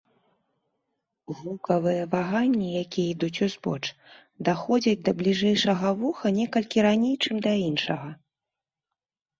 Гукавыя ваганні, якія ідуць узбоч, даходзяць да бліжэйшага вуха некалькі раней, чым да іншага.